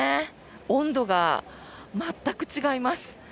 温度が全く違います。